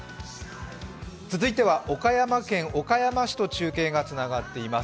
続いては、岡山県岡山市と中継がつながっています。